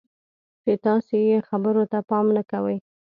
چې تاسې یې خبرو ته پام نه کوئ.